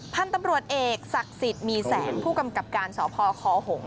พันธุ์ตำรวจเอกศักดิ์สิทธิ์มีแสงผู้กำกับการสพคหง